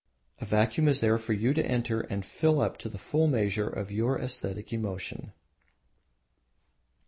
A vacuum is there for you to enter and fill up the full measure of your aesthetic emotion.